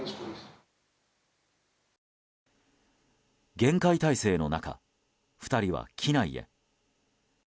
厳戒態勢の中、２人は機内へ。